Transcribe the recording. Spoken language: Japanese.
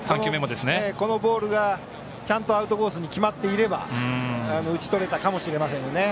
このボールがちゃんとアウトコースに決まっていれば打ち取れたかもしれませんよね。